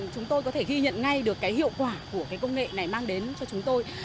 chúng tôi có thể ghi nhận ngay được cái hiệu quả của cái công nghệ này mang đến cho chúng tôi